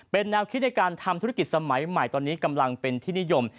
เป็นแนวคิดในการทำธุรกิจสมัยใหม่ตอนนี้กำลังเป็นที่นิยม